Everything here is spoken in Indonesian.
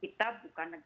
kita bukan negara